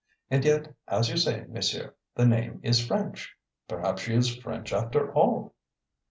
And yet, as you say, monsieur, the name is French. Perhaps she is French after all."